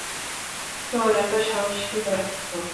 তোর এতো সাহস কীভাবে হলো?